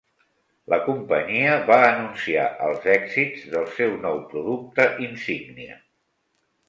La companyia va anunciar els èxits del seu nou producte insígnia.